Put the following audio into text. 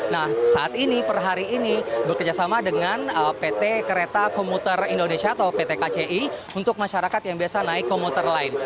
nah saat ini per hari ini bekerjasama dengan pt kereta komuter indonesia atau pt kci untuk masyarakat yang biasa naik komuter lain